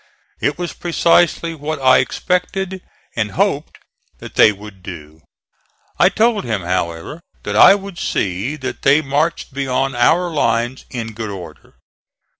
It was precisely what I expected and hoped that they would do. I told him, however, that I would see that they marched beyond our lines in good order.